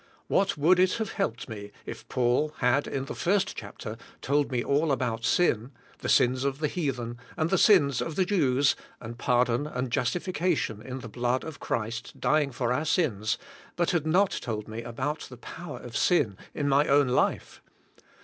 What would it have helped me if Paul had, in the first chapter, told me all about sin, the sins of the heathen and the sins of the Jews, and pardon and justification in the blood of Christ, dying for our sins, but had not told me about the power of sia in my own life?